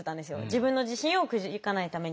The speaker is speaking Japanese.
自分の自信をくじかないために。